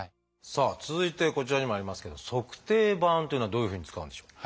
さあ続いてこちらにもありますけど「足底板」というのはどういうふうに使うんでしょう？